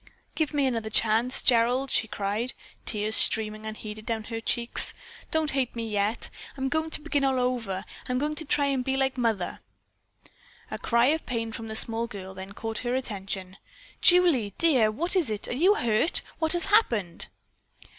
"Give me another chance, Gerald!" she cried, tears streaming unheeded down her cheeks. "Don't hate me yet. I'm going to begin all over. I'm going to try to be like mother." A cry of pain from the small girl then caught her attention. "Julie, what is it, dear? Are you hurt? What has happened?"